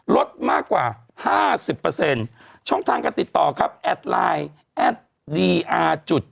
ลดมากกว่า๕๐ช่องทางการติดต่อครับแอดไลน์แอดดีอาร์จุด